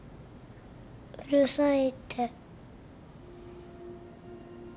うるさいって。